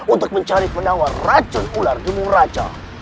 untuk mencari penawar racun ular demuraca